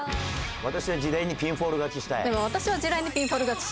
「私は時代にピンフォール勝ちしたい」。